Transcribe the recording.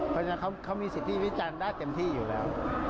เพราะฉะนั้นเขามีสิทธิวิจารณ์ได้เต็มที่อยู่แล้ว